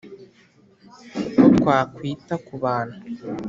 Uko twakwita ku bantu